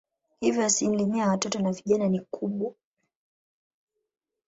Hivyo asilimia ya watoto na vijana ni kubwa.